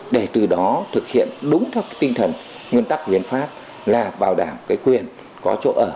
để từ đó thực hiện đúng theo tinh thần nguyên tắc của hiến pháp là bảo đảm cái quyền có chỗ ở